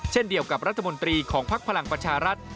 เช่นเดียวกับรัฐมนตรีของภักดิ์พลังประชารัฐ